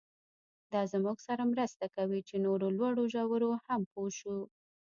دا زموږ سره مرسته کوي چې نورو لوړو ژورو هم پوه شو.